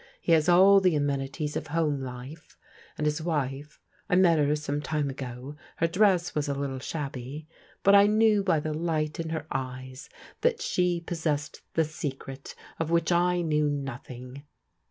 He has all the amenities of home life, and his wife — ^I met her some time ago, her dress was a little shabby — but I knew by the light in her eyes that she possessed the secret of which I knew nothing.